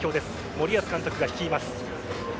森保監督が率います。